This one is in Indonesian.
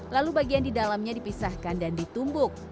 lalu bagian di dalamnya dipisahkan dan ditumbuk